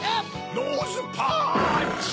・ノーズパンチ！